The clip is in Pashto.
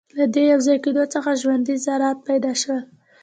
له دې یوځای کېدو څخه ژوندۍ ذرات پیدا شول.